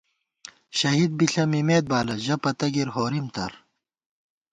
شہید بِݪہ مِمېت بالہ ، ژَہ پتہ گِر، ہورِم تر